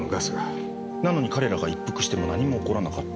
なのに彼らが一服しても何も起こらなかった。